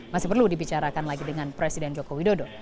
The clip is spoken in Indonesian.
masih perlu dibicarakan lagi dengan presiden joko widodo